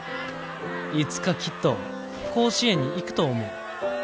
いつかきっと甲子園に行くと思う」。